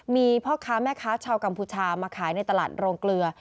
มีพ่อค้าแม่ค้าชาวกัมพูชามาขายในตลาดโรงเกลือ